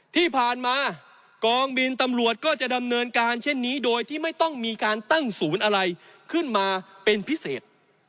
ที่ผ่านมากองบินตำรวจก็จะดำเนินการเช่นนี้โดยที่ไม่ต้องมีการตั้งศูนย์อะไรขึ้นมาเป็นพิเศษ